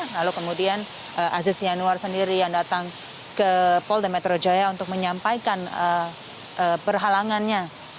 lalu kemudian aziz yanuar sendiri yang datang ke polda metro jaya untuk menyampaikan perhalangannya